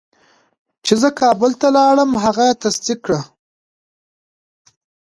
چې زه کابل ته لاړم هغه یې تصدیق کړه.